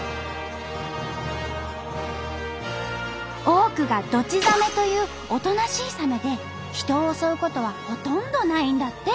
多くがドチザメというおとなしいサメで人を襲うことはほとんどないんだって。